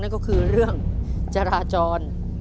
นั่นก็คือเรื่องจราจร